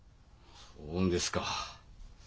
そうですか。